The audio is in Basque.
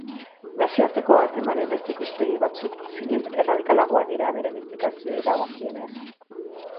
Nazioarteko harremanen beste ikuspegi batzuk zinez erradikalagoak dira beren inplikazioei dagokienez.